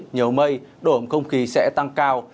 nhiều mây độ ấm không khí sẽ tăng cao